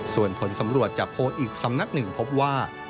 ส่วนผลสำรวจจากโพลอีกสำนักหนึ่งพบว่า